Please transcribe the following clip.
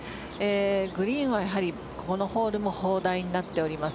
グリーンはこのホールも砲台になっています。